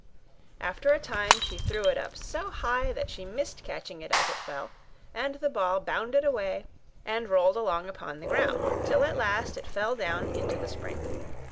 After a time she threw it up so high that she missed catching it as it fell; and the ball bounded away, and rolled along upon the ground, till at last it fell down into the spring.